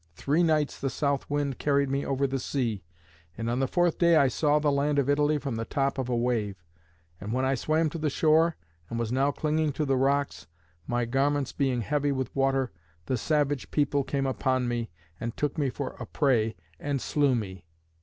Three nights the south wind carried me over the sea, and on the fourth day I saw the land of Italy from the top of a wave. And when I swam to the shore, and was now clinging to the rocks, my garments being heavy with water, the savage people came upon me, and took me for a prey, and slew me.